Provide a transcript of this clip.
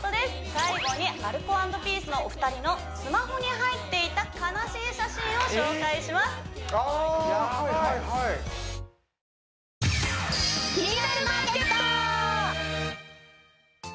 最後にアルコ＆ピースのお二人のスマホに入っていた悲しい写真を紹介しますあやばいえ？